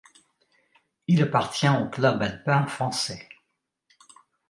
Il appartient au Club alpin français.